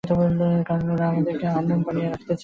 কারণ ওরা আমাদেরকে আহাম্মক বানিয়ে রাখতে চায়।